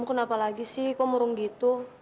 baja kamu kenapa lagi sih kok murung gitu